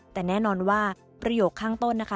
แต่แน่นอนว่าประโยคข้างต้นนะคะ